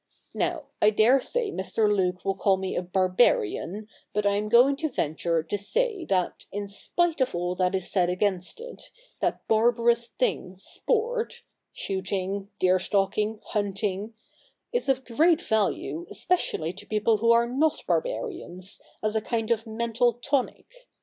Now, I dare say Mr. Luke will call me a barbarian, but I am going to venture to say that, in spite of all that is said against it, that barbarous thing sport — shooting, deer stalking, hunting — is of great value, especially to people who are not barbarians, as a kind of mental tonic.